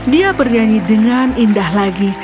dia bernyanyi dengan indah lagi